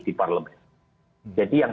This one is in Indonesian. di parlemen jadi yang